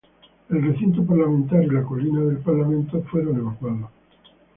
El precinto parlamentario y la colina del parlamento fueron evacuados.